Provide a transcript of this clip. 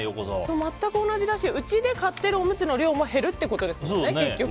全く同じだしうちで買ってるおむつの量も減るってことですもんね。